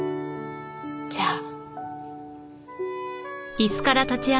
じゃあ。